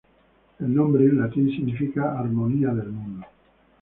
El nombre, en latín, significa "armonía del mundo".